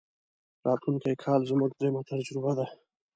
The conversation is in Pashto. راتلونکی کال زموږ درېمه تجربه ده.